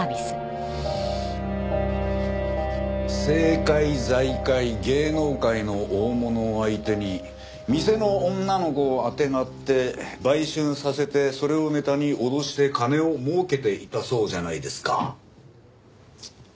政界財界芸能界の大物を相手に店の女の子をあてがって売春させてそれをネタに脅して金を儲けていたそうじゃないですか。